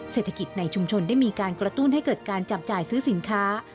เศรษฐกิจในชุมชนได้มีการกระตุ้นให้เกิดการจับจ่ายซื้อสินค้า